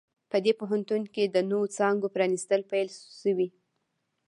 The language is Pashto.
په دې پوهنتون کې د نوو څانګو پرانیستل پیل شوي